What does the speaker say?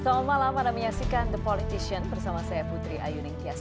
selamat malam anda menyaksikan the politician bersama saya putri ayu ningtyas